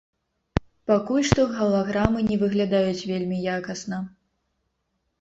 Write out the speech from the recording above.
Пакуль што галаграмы не выглядаюць вельмі якасна.